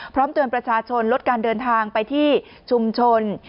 พร้อมเตือนประชาชนลดการเดินทางไปที่ชุมชน